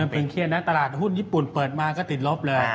เพลงเครียดนะตลาดหุ้นญี่ปุ่นเปิดมาก็ติดลบเลย